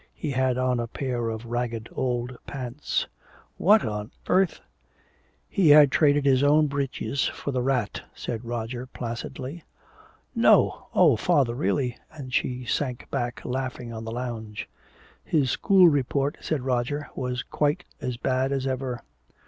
He had on a pair of ragged old pants." "What on earth " "He had traded his own breeches for the rat," said Roger placidly. "No! Oh, father! Really!" And she sank back laughing on the lounge. "His school report," said Roger, "was quite as bad as ever."